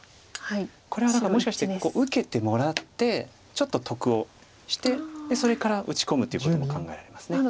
これはだからもしかして受けてもらってちょっと得をしてそれから打ち込むということも考えられます。